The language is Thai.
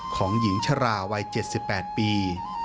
ของหญิงชราวัยเจ็ดสิบแปดปี